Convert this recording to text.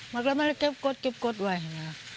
มันก็ไม่ได้เก็บกฎเก็บกฎไว้นะ